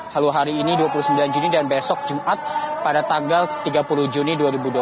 halo hari ini dua puluh sembilan juni dan besok jumat pada tanggal tiga puluh juni dua ribu dua puluh